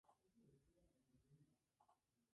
Vestíbulo La Moraleja